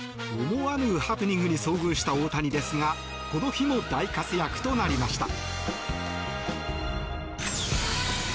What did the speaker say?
思わぬハプニングに遭遇した大谷ですがこの日も大活躍となりました。